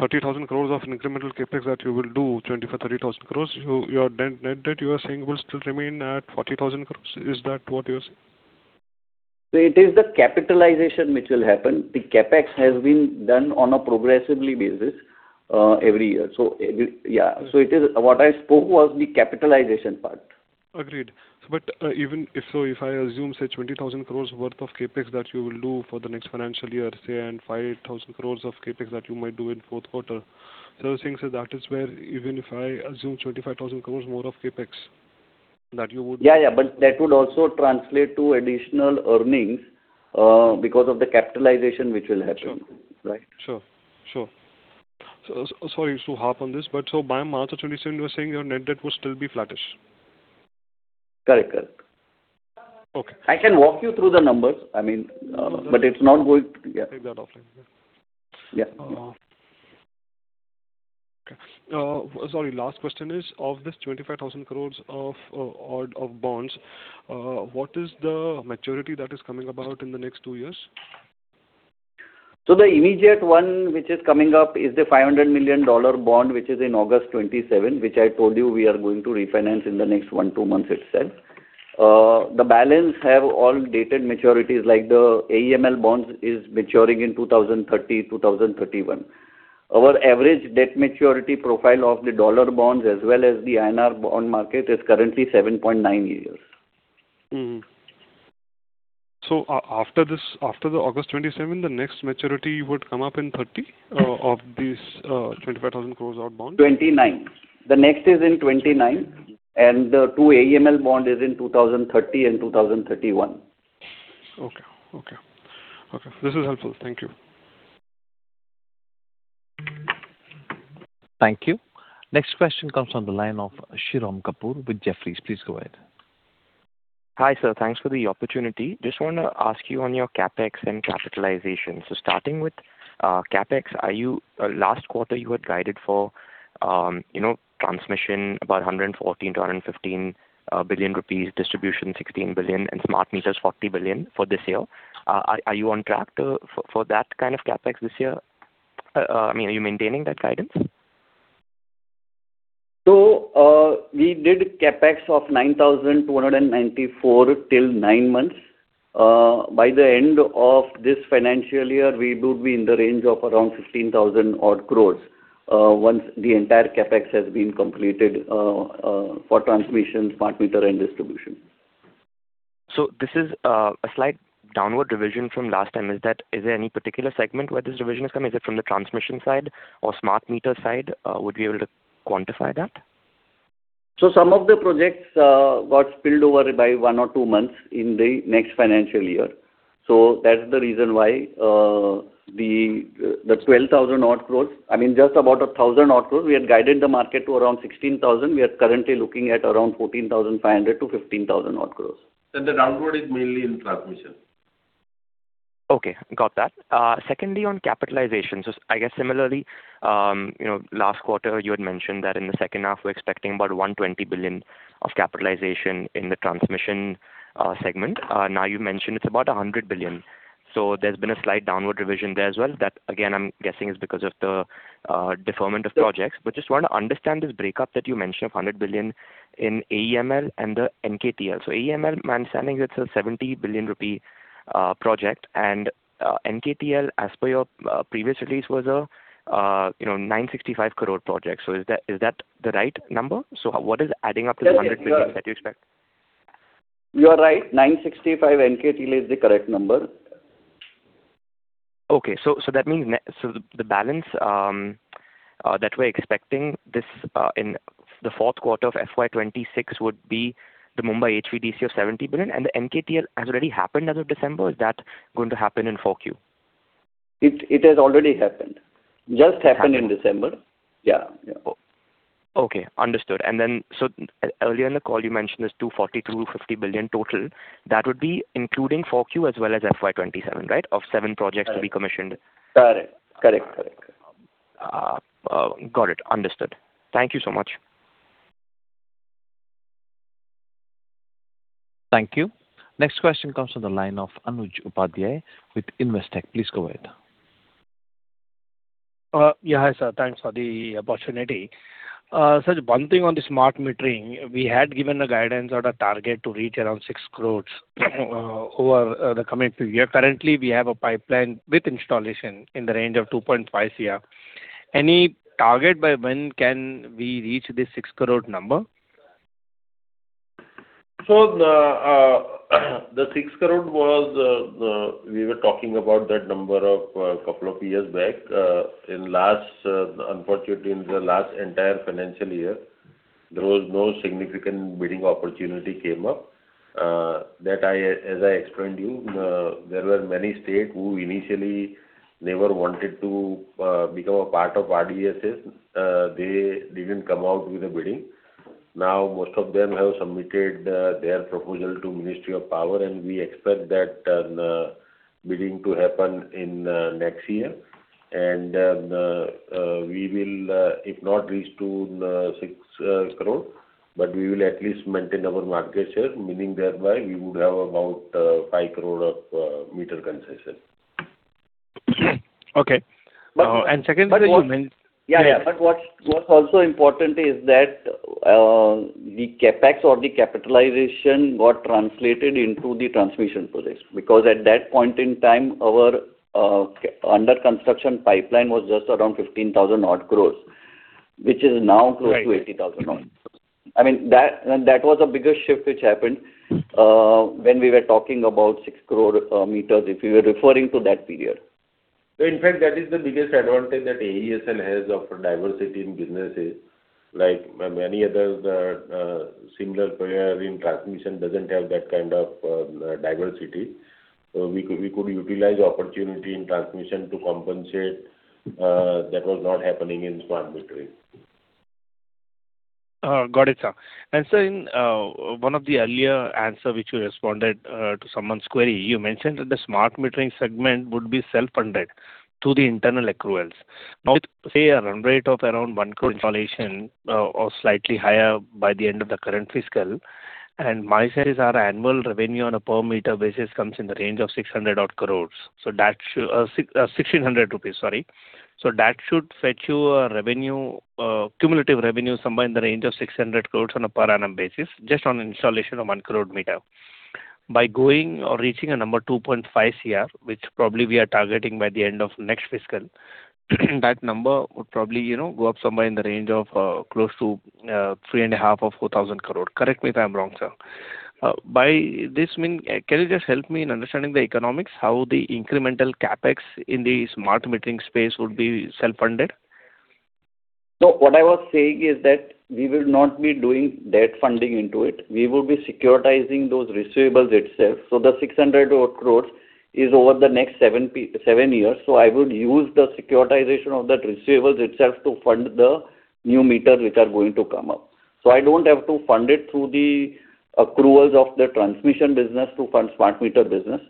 30,000 crores of incremental CapEx that you will do 25,000 cores, 30,000 crores, your net debt you are saying will still remain at 40,000 crores. Is that what you are saying? So it is the capitalization which will happen. The CapEx has been done on a progressive basis every year. So yeah. So what I spoke was the capitalization part. Agreed. But even if so, if I assume, say, 20,000 crores worth of CapEx that you will do for the next financial year, say, and 5,000 crores of CapEx that you might do in fourth quarter, so things that is where, even if I assume 25,000 crores more of CapEx that you would. Yeah, yeah. But that would also translate to additional earnings because of the capitalization which will happen, right? Sure. Sorry to hop on this. But so by month of 2027, you are saying your net debt will still be flattish? Correct. Correct. Okay. I can walk you through the numbers. I mean, but it's not going. Take that offline. Yeah. Okay. Sorry. Last question is, of this 25,000 crores of bonds, what is the maturity that is coming about in the next two years? So the immediate one which is coming up is the $500 million bond, which is in August 2027, which I told you we are going to refinance in the next one to two months itself. The balance have all dated maturities. Like the AEML bonds is maturing in 2030, 2031. Our average debt maturity profile of the dollar bonds as well as the INR bond market is currently 7.9 years. So after the August 2027, the next maturity would come up in 2030 of these 25,000 crores of bonds? The next is in 2029, and the two AEML bonds are in 2030 and 2031. Okay. This is helpful. Thank you. Thank you. Next question comes from the line of Shriram Kapoor with Jefferies. Please go ahead. Hi, sir. Thanks for the opportunity. Just want to ask you on your CapEx and capitalization. So starting with CapEx, last quarter you had guided for transmission about 114 billion-115 billion rupees, distribution 16 billion, and smart meters 40 billion for this year. Are you on track for that kind of CapEx this year? I mean, are you maintaining that guidance? We did CapEx of 9,294 till nine months. By the end of this financial year, we would be in the range of around 15,000 odd crores once the entire CapEx has been completed for transmission, smart meter, and distribution. So this is a slight downward revision from last time. Is there any particular segment where this revision has come? Is it from the transmission side or smart meter side? Would you be able to quantify that? So some of the projects got spilled over by one or two months in the next financial year. So that's the reason why the 12,000-odd crores I mean, just about 1,000-odd crores, we had guided the market to around 16,000. We are currently looking at around 14,500 crores-15,000-odd crores. The downward is mainly in transmission. Okay. Got that. Secondly, on capitalization, so I guess similarly, last quarter you had mentioned that in the second half, we're expecting about 120 billion of capitalization in the transmission segment. Now you mentioned it's about 100 billion. So there's been a slight downward revision there as well. That, again, I'm guessing is because of the deferment of projects. But just want to understand this breakup that you mentioned of 100 billion in AEML and the NKTL. So AEML, my understanding, it's a 70 billion rupee project. And NKTL, as per your previous release, was a 965 crore project. So is that the right number? So what is adding up to the 100 billion that you expect? You are right. 965 NKTL is the correct number. Okay. So that means the balance that we're expecting in the fourth quarter of FY 2026 would be the Mumbai HVDC of 70 billion. And the NKTL has already happened as of December. Is that going to happen in 4Q? It has already happened. Just happened in December. Yeah. Yeah. Okay. Understood. And then so earlier in the call, you mentioned this 240-250 billion total. That would be including 4Q as well as FY 2027, right, of seven projects to be commissioned? Correct. Correct. Correct. Got it. Understood. Thank you so much. Thank you. Next question comes from the line of Anuj Upadhyay with Investec. Please go ahead. Yeah. Hi, sir. Thanks for the opportunity. Just one thing on the smart metering, we had given a guidance or a target to reach around 6 crores over the coming few years. Currently, we have a pipeline with installation in the range of 2.5 years. Any target by when can we reach this 6crore number? So the 6 crore was we were talking about that number a couple of years back. Unfortunately, in the last entire financial year, there was no significant bidding opportunity came up. As I explained to you, there were many states who initially never wanted to become a part of RDSS. They didn't come out with a bidding. Now, most of them have submitted their proposal to Ministry of Power. And we expect that bidding to happen in next year. And we will, if not reach to 6 crore, but we will at least maintain our market share, meaning thereby we would have about 5 crore of meter concession. Okay, and secondly, you mentioned. But what's also important is that the CapEx or the capitalization got translated into the transmission project. Because at that point in time, our under-construction pipeline was just around 15,000-odd crore, which is now close to 80,000-odd. I mean, that was a bigger shift which happened when we were talking about 6 crore meters if we were referring to that period. In fact, that is the biggest advantage that AESL has of diversity in businesses. Like many other similar players in transmission doesn't have that kind of diversity. So we could utilize opportunity in transmission to compensate that was not happening in smart metering. Got it, sir. And sir, in one of the earlier answers which you responded to someone's query, you mentioned that the smart metering segment would be self-funded through the internal accruals. Now, with, say, a run rate of around 1 crore installation or slightly higher by the end of the current fiscal, and my sense is our annual revenue on a per meter basis comes in the range of 600-odd crores. So that should 1,600 rupees, sorry. So that should fetch you a cumulative revenue somewhere in the range of 600 crores on a per annum basis just on installation of 1 crore meter. By going or reaching a number 2.5 crore, which probably we are targeting by the end of next fiscal, that number would probably go up somewhere in the range of close to 3.5 crore and 4,000 crore. Correct me if I'm wrong, sir. By the way, can you just help me in understanding the economics how the incremental CapEx in the smart metering space would be self-funded? So what I was saying is that we will not be doing debt funding into it. We will be securitizing those receivables itself. So the 600 crore is over the next seven years. So I would use the securitization of that receivables itself to fund the new meters which are going to come up. So I don't have to fund it through the accruals of the transmission business to fund smart meter business.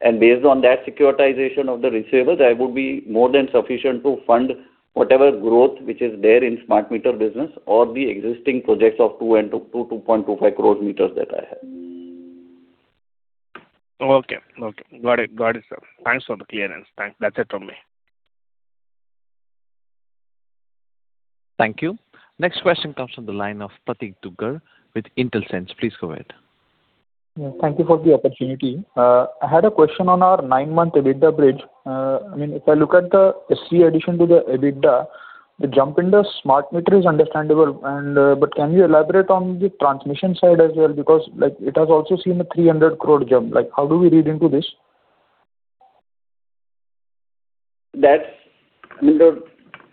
And based on that securitization of the receivables, I would be more than sufficient to fund whatever growth which is there in smart meter business or the existing projects of 2.25 crore meters that I have. Okay. Okay. Got it. Got it, sir. Thanks for the clearance. That's it from me. Thank you. Next question comes from the line of Pratik Duggal with IntelSense. Please go ahead. Thank you for the opportunity. I had a question on our nine-month EBITDA bridge. I mean, if I look at the SC addition to the EBITDA, the jump in the smart meter is understandable. But can you elaborate on the transmission side as well? Because it has also seen a 300 crore jump. How do we read into this? The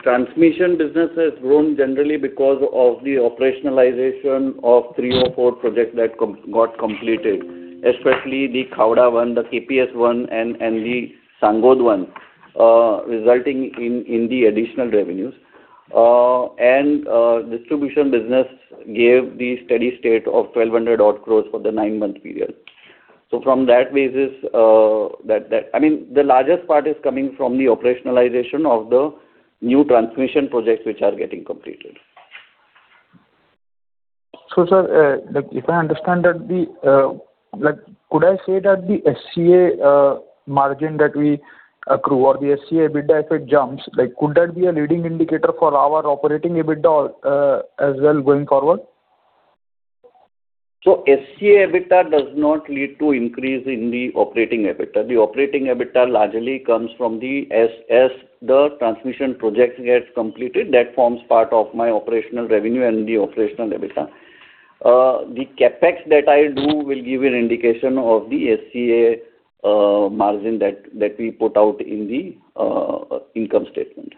transmission business has grown generally because of the operationalization of three or four projects that got completed, especially the Khavda one, the KPS one, and the Sangod one, resulting in the additional revenues. And distribution business gave the steady state of 1,200-odd crores for the nine-month period. So from that basis, I mean, the largest part is coming from the operationalization of the new transmission projects which are getting completed. So, sir, if I understand that, could I say that the SCA margin that we accrue or the SCA EBITDA, if it jumps, could that be a leading indicator for our operating EBITDA as well going forward? SCA EBITDA does not lead to increase in the operating EBITDA. The operating EBITDA largely comes from, as the transmission projects get completed, that forms part of my operational revenue and the operational EBITDA. The CapEx that I do will give you an indication of the SCA margin that we put out in the income statement.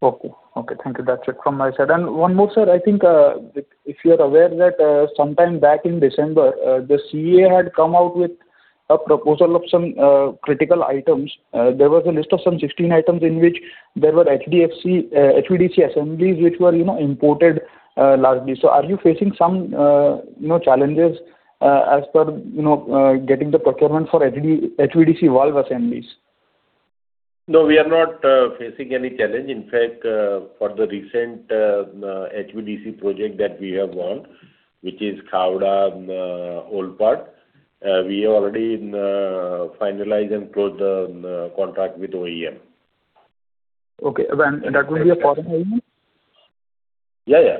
Okay. Okay. Thank you. That's it from my side. And one more, sir. I think if you're aware that sometime back in December, the CEA had come out with a proposal of some critical items. There was a list of some 16 items in which there were HVDC assemblies which were imported largely. So are you facing some challenges as per getting the procurement for HVDC valve assemblies? No, we are not facing any challenge. In fact, for the recent HVDC project that we have won, which is Khavda Olpad, we have already finalized and closed the contract with OEM. Okay. And that will be a foreign OEM? Yeah. Yeah.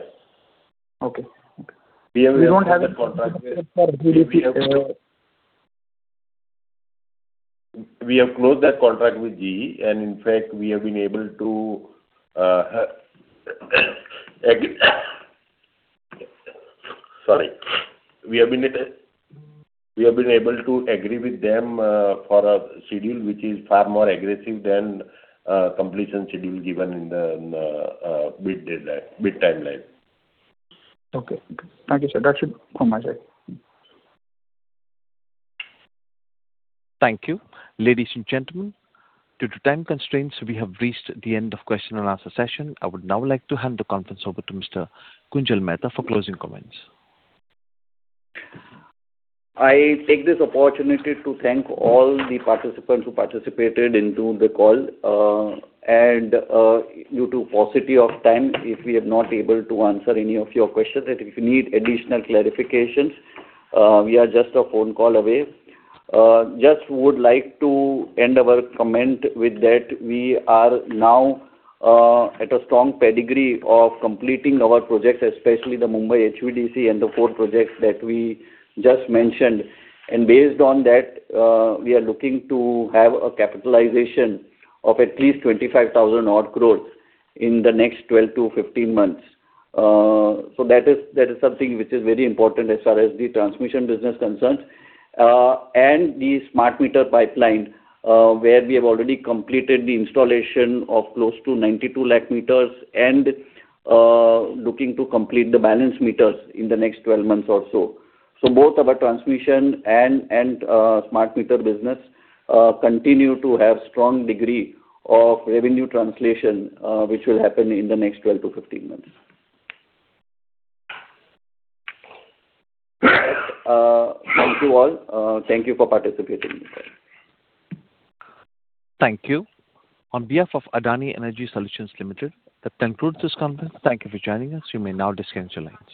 Okay. Okay. You don't have that contract with? We have closed that contract with GE. And in fact, we have been able to, sorry. We have been able to agree with them for a schedule which is far more aggressive than completion schedule given in the bid timeline. Okay. Okay. Thank you, sir. That's it from my side. Thank you. Ladies and gentlemen, due to time constraints, we have reached the end of question and answer session. I would now like to hand the conference over to Mr. Kunjal Mehta for closing comments. I take this opportunity to thank all the participants who participated in the call, and due to paucity of time, if we are not able to answer any of your questions, and if you need additional clarifications, we are just a phone call away. Just would like to end our comment with that we are now at a strong pedigree of completing our projects, especially the Mumbai HVDC and the four projects that we just mentioned, and based on that. We are looking to have a capitalization of at least 25,000-odd crore in the next 12 to 15 months, so that is something which is very important as far as the transmission business concerns, and the smart meter pipeline where we have already completed the installation of close to 92 lakh meters and looking to complete the balance meters in the next 12 months or so. So both our transmission and smart meter business continue to have a strong degree of revenue translation which will happen in the next 12-15 months. Thank you all. Thank you for participating. Thank you. On behalf of Adani Energy Solutions Limited, that concludes this conference. Thank you for joining us. You may now disconnect your lines.